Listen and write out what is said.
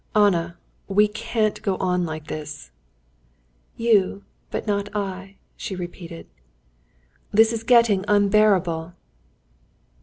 "Anna, we can't go on like this...." "You, but not I," she repeated. "This is getting unbearable!"